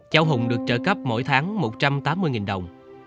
cháu hùng được trợ cấp mỗi tháng một trăm tám mươi đồng